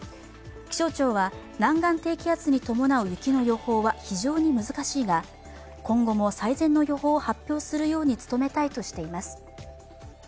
気象庁は、南岸低気圧に伴う雪の予報は非常に難しいが、今後も最善の予報を発表するように努めたいとしています。